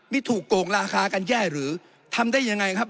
นี่ถูกโกงราคากันแย่หรือทำได้ยังไงครับ